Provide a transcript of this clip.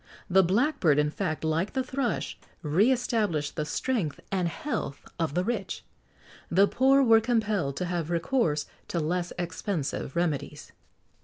The blackbird, in fact, like the thrush, re established the strength and health of the rich.[XX 59] The poor were compelled to have recourse to less expensive remedies.